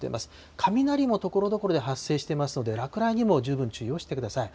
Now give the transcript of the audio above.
雷もところどころで発生していますので、落雷にも十分注意をしてください。